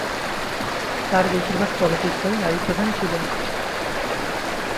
তার বেশির ভাগ চলচ্চিত্রই নারী প্রধান ছিল।